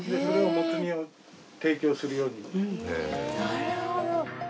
なるほど。